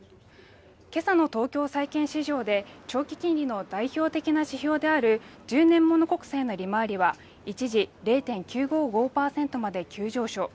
けさの東京債券市場で長期金利の代表的な指標である１０年物国債の利回りは一時０．９５５％まで急上昇